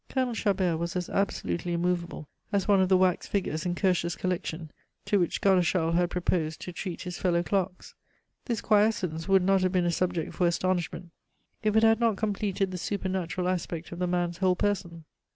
Colonel Chabert was as absolutely immovable as one of the wax figures in Curtius' collection to which Godeschal had proposed to treat his fellow clerks. This quiescence would not have been a subject for astonishment if it had not completed the supernatural aspect of the man's whole person.